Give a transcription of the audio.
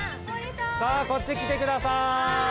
さぁこっち来てください。